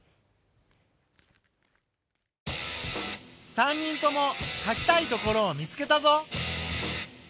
３人ともかきたいところを見つけたぞ。